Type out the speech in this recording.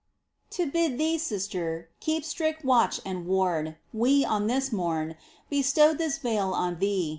To bid thee, sister, keep strict watch and ward. We, on this morn, bestowed this veil on thee.